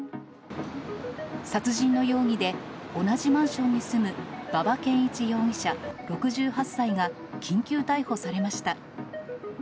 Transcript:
殺人の容疑で同じマンションに住む、馬場健一容疑者６８歳が緊急逮捕されました。